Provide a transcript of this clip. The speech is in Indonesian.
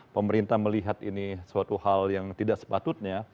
pemerintah melihat ini suatu hal yang tidak sepatutnya